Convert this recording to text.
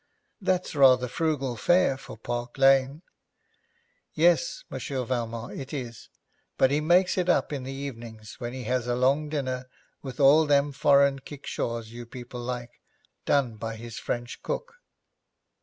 'That's rather frugal fare for Park Lane.' 'Yes, Monsieur Valmont, it is, but he makes it up in the evening, when he has a long dinner with all them foreign kickshaws you people like, done by his French cook.'